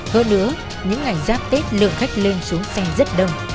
hơn nữa những ngày giáp tết lượng khách lên xuống xe rất đông